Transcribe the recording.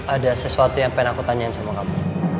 ada sesuatu yang pengen aku tanyain sama kamu